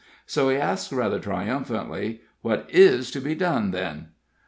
So he asked, rather triumphantly: "What is to be done, then?"